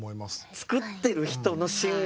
作ってる人の信頼。